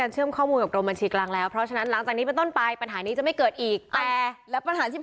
ชัดไหมคะ